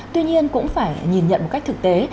tuy nhiên cũng phải nhìn nhận một cách thực tế